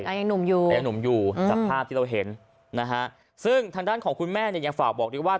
แต่ยังหนุ่มอยู่สภาพที่เราเห็นซึ่งทางด้านของคุณแม่ยังฝากบอกดีกว่า